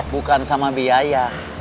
bukan sama biayah